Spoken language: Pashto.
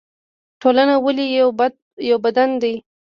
ټولنه ولې یو بدن دی؟